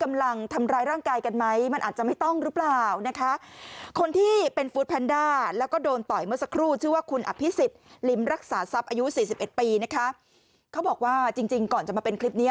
อายุ๔๑ปีนะครับเขาบอกว่าจริงก่อนจะมาเป็นคลิปนี้